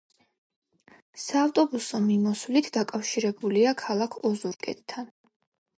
საავტობუსო მიმოსვლით დაკავშირებულია ქალაქ ოზურგეთთან.